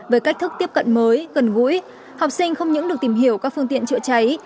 với cách thức tiếp cận mới gần gũi học sinh không những được tìm hiểu các phương tiện chữa cháy